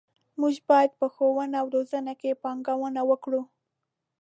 موږ باید په ښوونه او روزنه کې پانګونه وکړو.